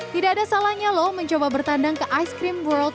tidak ada salahnya loh mencoba bertandang ke ice cream world